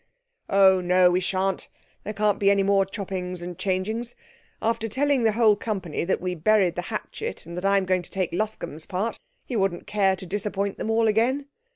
'Oh, no, we shan't! There can't be any more choppings and changings. After telling the whole company that we buried the hatchet and that I am going to take Luscombe's part, he wouldn't care to disappoint them all again.